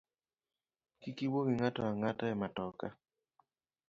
Kik iwuo gi ng’ato ang’ata e matoka